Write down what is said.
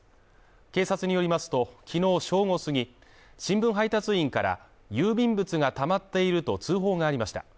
警察によりますと、きのう正午過ぎ、新聞配達員から郵便物がたまっていると通報がありました。